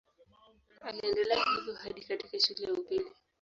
Aliendelea hivyo hadi katika shule ya upili.